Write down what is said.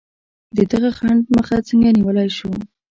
د دغه خنډ مخه څنګه نیولای شو؟